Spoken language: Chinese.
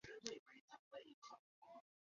他生于古希腊萨摩斯岛。